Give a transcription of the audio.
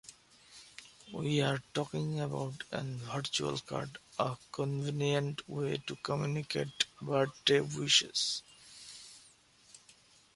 We are talking about an virtual-card, a convenient way to communicate birthday wishes.